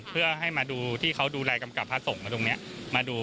เพื่อให้มาดูที่เขาดูแลกำกับพระศมมาดู